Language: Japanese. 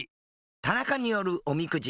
田中によるおみくじ。